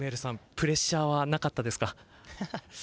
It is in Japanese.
プレッシャーはなかったですか？